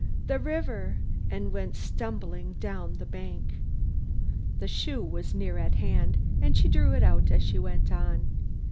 the river!" and went stumbling down the bank. The shoe was near her hand and she drew it out as she went on.